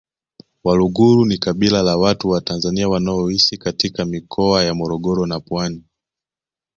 Waluguru ni kabila la watu wa Tanzania wanaoishi katika mikoa ya Morogoro na Pwani